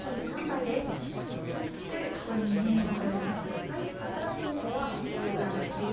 そしてここにみりんを加えます。